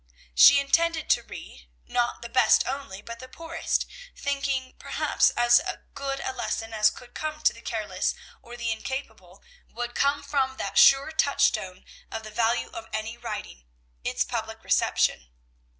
She intended to read, not the best only, but the poorest, thinking, perhaps, as good a lesson as could come to the careless or the incapable would come from that sure touchstone of the value of any writing, its public reception.